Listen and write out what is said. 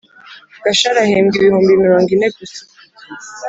Gashari ahembwa ibihumbi mirongo ine gusa